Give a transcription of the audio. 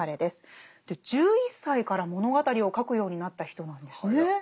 で１１歳から物語を書くようになった人なんですね。